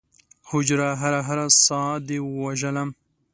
هجره! هره هره ساه دې ووژلم